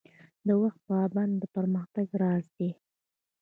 د وخت پابندي د پرمختګ راز دی